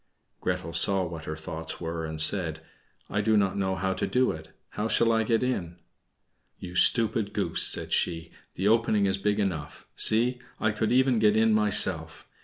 Gretel saw what her thoughts were and said, "I do not know how to do it; how shall I get in?" "You stupid goose," said she, "the opening is big enough. See, I could even get in myself!"